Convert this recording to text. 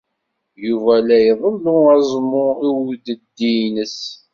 Yuba la iḍellu aẓmu i udeddi-nnes.